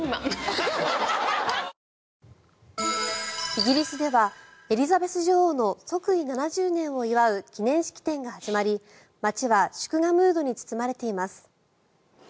イギリスではエリザベス女王の即位７０年を祝う記念式典が始まり、街は祝賀ムードに包まれています。